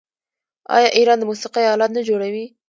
آیا ایران د موسیقۍ الات نه جوړوي؟